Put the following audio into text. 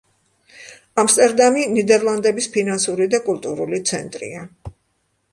ამსტერდამი ნიდერლანდების ფინანსური და კულტურული ცენტრია.